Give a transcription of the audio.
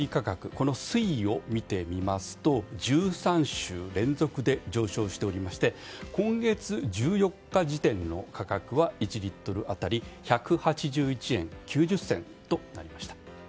この推移を見て見ますと１３週連続で上昇しておりまして今月１４日時点の価格は１リットル当たり１８１円９０銭となりました。